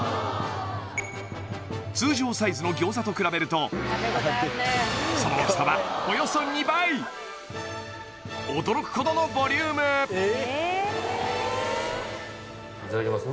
通常サイズの餃子と比べるとその大きさはおよそ２倍驚くほどのボリュームいただきます